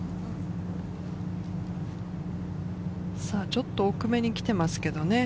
ちょっと奥めに来てますけどね。